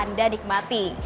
anda bisa menikmati